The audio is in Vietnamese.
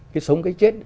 cái sống cái chết